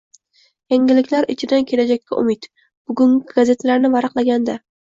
Yangiliklar ichidan kelajakka umid: bugungi gazetalarni varaqlaganda...